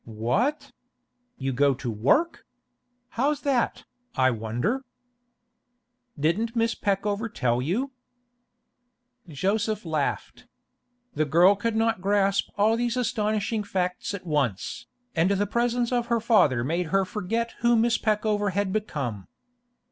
'What? You go to work? How's that, I wonder?' 'Didn't Miss Peckover tell you?' Joseph laughed. The girl could not grasp all these astonishing facts at once, and the presence of her father made her forget who Miss Peckover had become.